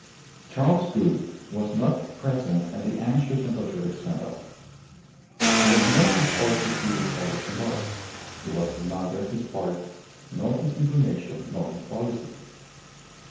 Charles Gould was not present at the anxious and patriotic send off. It was not his part to see the soldiers embark. It was neither his part, nor his inclination, nor his policy.